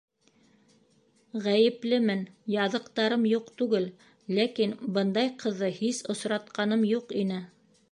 Ғәйеплемен, яҙыҡтарым юҡ түгел, ләкин... бындай ҡыҙҙы һис осратҡаным юҡ ине.